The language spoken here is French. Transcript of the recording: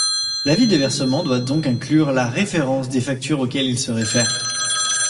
L'avis de versement doit donc inclure la référence des factures auxquelles il se réfère.